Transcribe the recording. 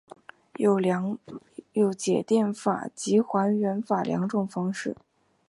有电解法及还原法两种方式。